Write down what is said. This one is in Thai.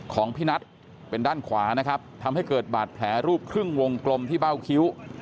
ของพี่นัทเป็นด้านขวานะครับทำให้เกิดบาดแผลรูปครึ่งวงกลมที่เบ้าคิ้ว